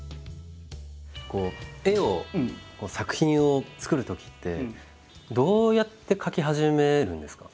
絵を作品を作るときってどうやって描き始めるんですか？